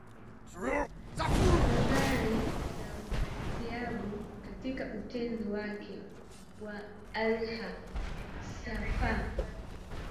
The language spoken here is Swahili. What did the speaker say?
Mandhari za Uhalisiajabu katika Utenzi wa Al-Inkishafi